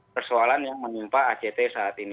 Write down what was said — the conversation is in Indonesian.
persoalan yang menimpa act saat ini